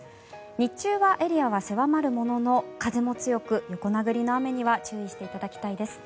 日中はエリアは狭まるものの風も強く横殴りの雨には注意していただきたいです。